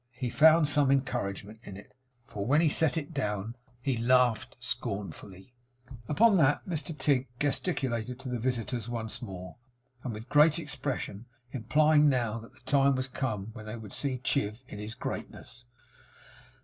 He found some encouragement in it; for when he set it down he laughed scornfully. Upon that Mr Tigg gesticulated to the visitors once more, and with great expression, implying that now the time was come when they would see Chiv in his greatness.